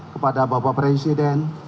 kepada bapak presiden